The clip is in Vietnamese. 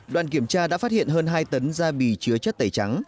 đoàn kiểm tra đã phát hiện hơn hai tấn da bì chứa chất tẩy trắng